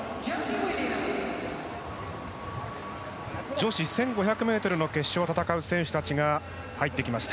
女子１５００ｍの決勝を戦う選手たちが入ってきました。